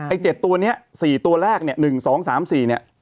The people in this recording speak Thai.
๗ตัวนี้๔ตัวแรกเนี่ย๑๒๓๔เนี่ย